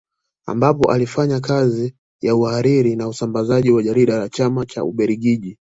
Ambapo alifanya kazi ya uhariri na usambazaji wa jarida la Chama cha Ubeljiji